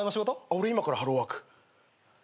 俺今からハローワーク。